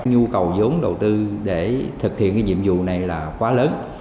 nhu cầu giống đầu tư để thực hiện cái nhiệm vụ này là quá lớn